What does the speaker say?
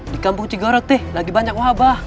di kampung cigoro teh lagi banyak wabah